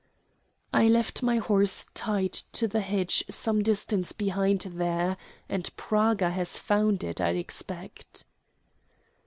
"I left my horse tied to the hedge some distance behind there, and Praga has found it, I expect."